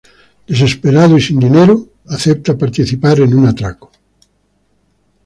Desesperado y sin dinero, acepta participar en un atraco.